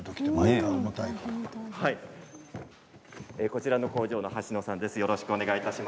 こちらの工場の橋野さんです。